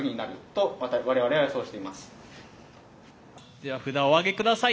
では札をお上げ下さい。